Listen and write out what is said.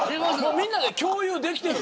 みんなで共有できてる。